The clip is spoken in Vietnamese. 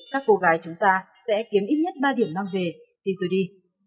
các cô gái chúng ta sẽ kiếm ít nhất ba điểm mang về khi tôi đi